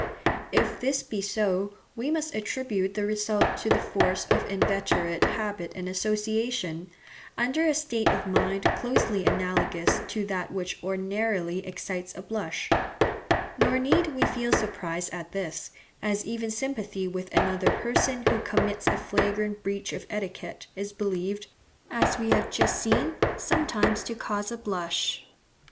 If this be so, we must attribute the result to the force of inveterate habit and association, under a state of mind closely analogous to that which ordinarily excites a blush; nor need we feel surprise at this, as even sympathy with another person who commits a flagrant breach of etiquette is believed, as we have just seen, sometimes to cause a blush.